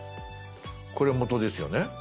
これ元ですよね。